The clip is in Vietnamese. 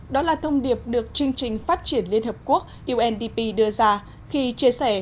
đó là thông điệp được chương trình phát triển liên hợp quốc undp đưa ra khi chia sẻ